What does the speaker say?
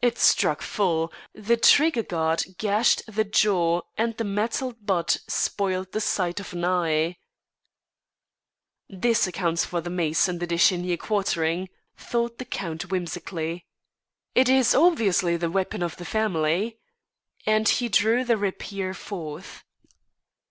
It struck full; the trigger guard gashed the jaw and the metalled butt spoiled the sight of an eye. "This accounts for the mace in the De Chenier quartering," thought the Count whimsically. "It is obviously the weapon of the family." And he drew the rapier forth.